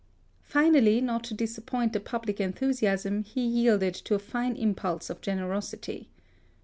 Finally, not to dis appoint the public enthusiasm, he yielded to a fine impulse of generosity.